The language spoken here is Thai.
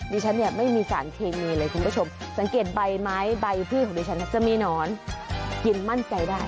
ดิฉันเนี่ยไม่มีสารเคมีเลยคุณผู้ชมสังเกตใบไม้ใบพืชของดิฉันจะมีหนอนเย็นมั่นใจได้